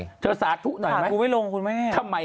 สาธุหน่อยไหมสาธุไม่ลงคุณไม่แน่ทำไมอ่ะ